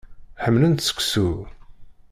Ḥemmlent seksu.